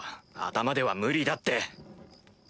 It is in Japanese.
頭では無理だって。